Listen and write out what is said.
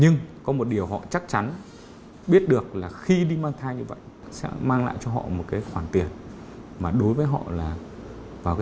nhưng có một điều họ chắc chắn biết được là khi đi mang thai như vậy sẽ mang lại cho họ một cái khoản tiền mà đối với họ là